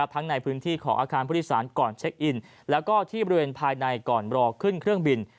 ทั้งในพื้นที่ของอาคารผู้โดยสารก่อนเช็คอินแล้วก็ที่บริเวณภายในก่อนรอขึ้นเครื่องบิน